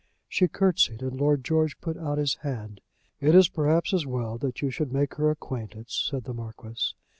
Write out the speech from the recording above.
She curtseyed and Lord George put out his hand. "It is perhaps as well that you should make her acquaintance," said the Marquis.